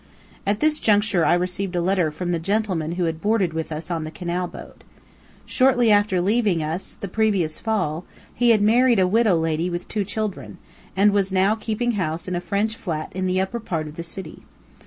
At this juncture I received a letter from the gentleman who had boarded with us on the canal boat. Shortly after leaving us the previous fall, he had married a widow lady with two children, and was now keeping house in a French flat in the upper part of the city.